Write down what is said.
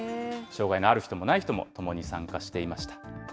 障害のある人もない人も共に参加していました。